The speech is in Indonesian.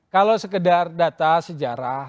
kalau sekedar data sejarah